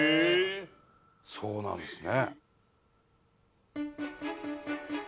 そうなんですね。